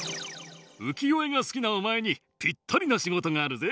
浮世絵が好きなお前にピッタリな仕事があるぜ。